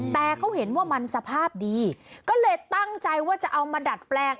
แต่เขาเห็นว่ามันสภาพดีก็เลยตั้งใจว่าจะเอามาดัดแปลง